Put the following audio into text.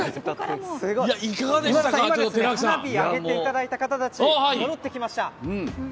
今田さん、今花火を揚げていただいた方たち戻ってきました。